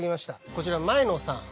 こちらの前野さん